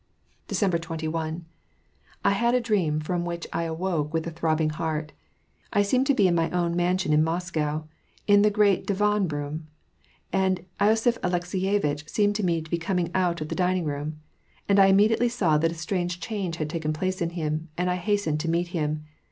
WAR AND PEACE. 187 December 21. — I had a dream from which I awoke with a throbbing heart I seemed to be in my own mansion in Moscow, in the great divan room, and losiph Alekseyevitch seemed to be coming out of the dining room. And I immediately saw that a strange change had talten place in him, and I hastened to meet him.